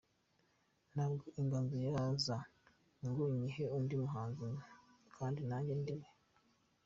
Ntabwo inganzo yaza ngo nyihe undi muhanzi kandi nanjye ndi we.